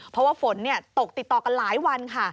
เพราะว่าฝนตกติดต่อกันหลายวันค่ะ